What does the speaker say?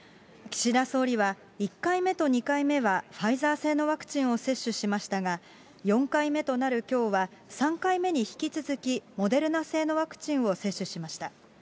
岸田総理は、１回目と２回目はファイザー製のワクチンを接種しましたが、４回目となるきょうは、３回目に引き続き、モデルナ製のワクチンを接種しました。